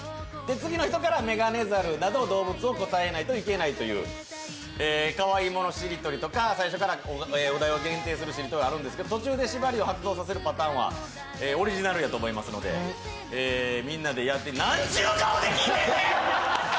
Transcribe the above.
次の人からメガネザルなど動物を答えないといけないというかわいいものしりとりか最初からお題を限定するしりとりあるんですけど、途中でしばりを発動させるパターンはオリジナルやと思うので説明を！